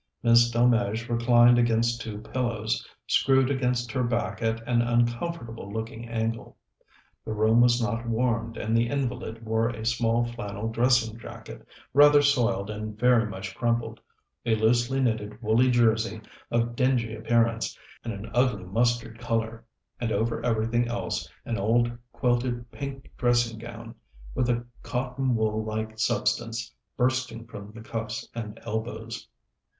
Miss Delmege reclined against two pillows, screwed against her back at an uncomfortable looking angle. The room was not warmed, and the invalid wore a small flannel dressing jacket, rather soiled and very much crumpled, a loosely knitted woolly jersey of dingy appearance and an ugly mustard colour, and over everything else an old quilted pink dressing gown, with a cotton wool like substance bursting from the cuffs and elbows.